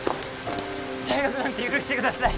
退学なんて許してください